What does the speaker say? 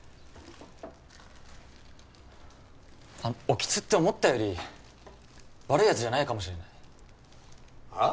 あの興津って思ったより悪いやつじゃないかもしれないはあ？